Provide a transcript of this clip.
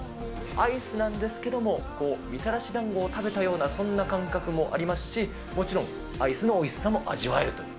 アイスなんですけれども、みたらしだんごを食べたようなそんな感覚もありますし、もちろん、アイスのおいしさも味わえるという。